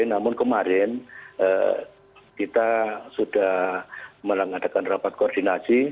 namun kemarin kita sudah melanggar dapat koordinasi